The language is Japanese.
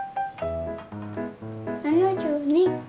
７２。